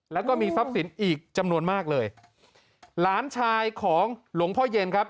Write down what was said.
แล้วก็มีทรัพย์สินอีกจำนวนมากเลยหลานชายของหลวงพ่อเย็นครับ